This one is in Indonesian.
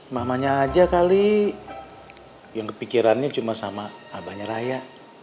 mamanya aja kali yang kepikirannya cuma sama abahnya raya